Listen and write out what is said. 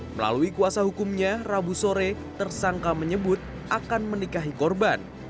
melalui kuasa hukumnya rabu sore tersangka menyebut akan menikahi korban